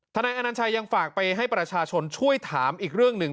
นายอนัญชัยยังฝากไปให้ประชาชนช่วยถามอีกเรื่องหนึ่ง